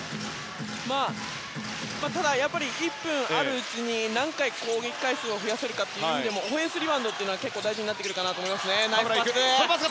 ただ、１分あるうちに何回、攻撃回数を増やせるかという意味でもオフェンスリバウンドは大事になってきますね。